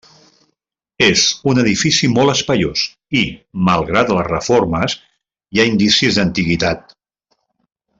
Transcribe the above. És un edifici molt espaiós i, malgrat les reformes, hi ha indicis d'antiguitat.